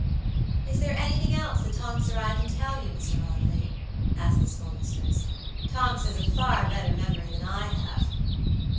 "Is there anything else that Tonks or I can tell you, Mr. Audley?" asked the schoolmistress. "Tonks has a far better memory than I have."